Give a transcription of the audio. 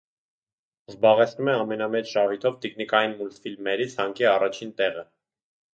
Զբաղեցնում է մենամեծ շահույթով տիկնիկային մուլտֆիլմմերի ցանկի առաջին տեղը։